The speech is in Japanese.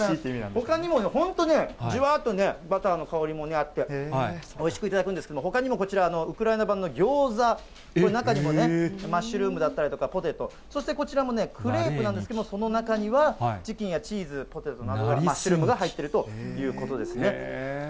ほかにも、本当ね、じわーっとね、また香りもあって、おいしく頂くんですけれども、ほかにもこちら、ウクライナ版のギョーザ、これ中にもね、マッシュルームだったりとか、ポテト、そしてこちらもね、クレープなんですけれども、その中にはチキンやチーズ、ポテトなど、マッシュルームが入っているということですね。